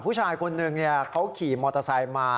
ผู้ชายคนหนึ่งเขาขี่มอเตอร์ไซค์มา